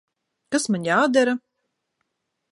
Kas man jādara?